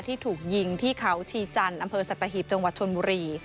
ที่ถูกยิงที่เขาชีจันทร์อำเภอสัตหีบจังหวัดชนบุรี